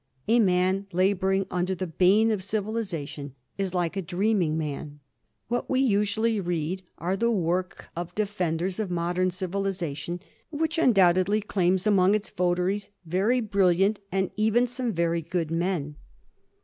A man labouring under the bane of civilization is like a dreaming man. What we usually read are the work of defenders of modern civilization, which undoubtedly claims among its votaries very brilliant and even some very good men.